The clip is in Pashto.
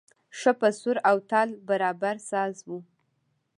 ښه په سور او تال برابر ساز و.